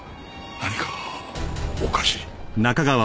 何かがおかしい